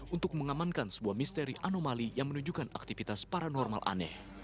untuk mengamankan sebuah misteri anomali yang menunjukkan aktivitas paranormal aneh